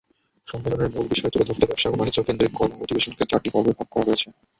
সম্মেলনের মূল বিষয় তুলে ধরতে ব্যবসা-বাণিজ্যকেন্দ্রিক কর্ম-অধিবেশনকে চারটি পর্বে ভাগ করা হয়েছে।